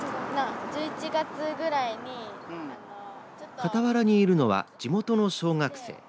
かたわらにいるのは地元の小学生。